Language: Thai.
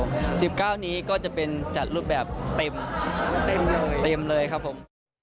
วันที่๑๙นี้ก็จะจัดรูปแบบเต็มเลยครับผม